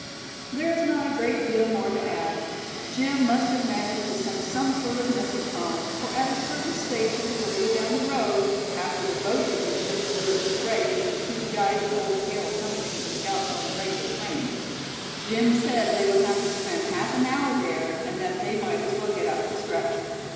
There is not a great deal more to add. Jim must have managed to send some sort of message home, for at a certain station further down the road, (after the boats had been shipped through as freight, the two guides and Old Cale accompanying the scouts on the regular train,) Jim said they would have to spend half an hour there, and that they might as well get out to stretch.